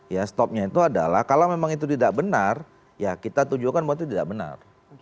ya stopnya itu adalah kalau memang itu tidak benar ya kita tujukan bahwa itu tidak benar